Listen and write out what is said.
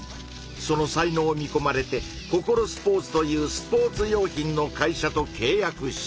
その才能を見こまれてココロスポーツというスポーツ用品の会社とけい約した。